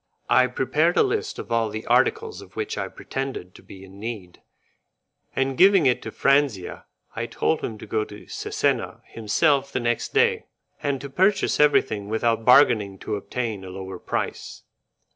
I prepared a list of all the articles of which I pretended to be in need, and giving it to Franzia I told him to go to Cesena himself the next day, and to purchase everything without bargaining to obtain a lower price.